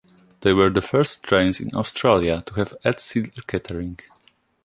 They were the first trains in Australia to have at-seat catering.